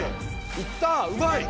いったうまい！